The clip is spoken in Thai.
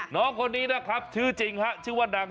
น้องคนนี้นะครับชื่อจริง